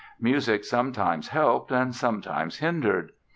Music sometimes helped and sometimes hindered.